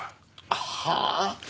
はあ？